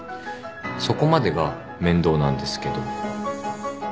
そこまでが面倒なんですけど。